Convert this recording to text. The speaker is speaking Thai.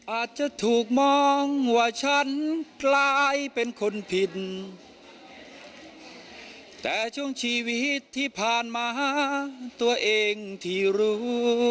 อาจจะถูกมองว่าฉันกลายเป็นคนผิดแต่ช่วงชีวิตที่ผ่านมาตัวเองที่รู้